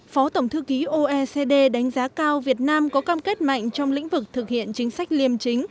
phó tổng thư ký oecd đánh giá cao việt nam có cam kết mạnh trong lĩnh vực thực hiện chính sách liêm chính